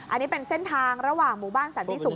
อันนี้เป็นเส้นทางระหว่างหมู่บ้านสันติสุข